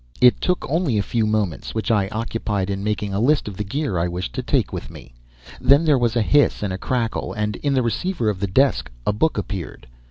It took only a few moments, which I occupied in making a list of the gear I wished to take with me. Then there was a hiss and a crackle, and in the receiver of the desk a book appeared.